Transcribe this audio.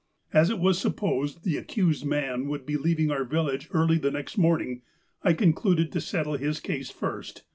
" As it was supposed the accused man would be leaving our vil lage early the next morning, I concluded to settle his case first.